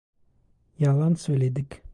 Yalan söyledik.